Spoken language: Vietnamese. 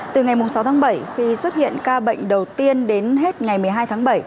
từ ngày sáu tháng bảy khi xuất hiện ca bệnh đầu tiên đến hết ngày một mươi hai tháng bảy